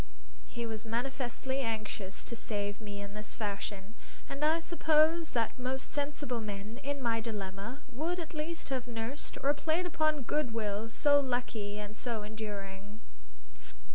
He was manifestly anxious to save me in this fashion. And I suppose that most sensible men, in my dilemma, would at least have nursed or played upon good will so lucky and so enduring.